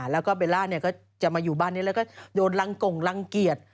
แล้วก็เบลล่าก็จะมาอยู่บ้านนี้แล้วก็โยนรังกงรังเกียจ